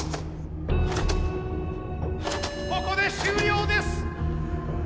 ここで終了です。